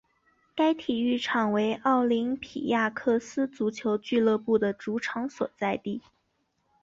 该体育场为奥林匹亚克斯足球俱乐部的主场所在地。